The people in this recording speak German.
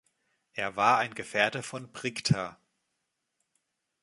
Er war ein Gefährte von Bricta.